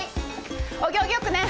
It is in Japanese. お行儀良くね！